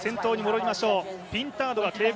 ピンタードは警告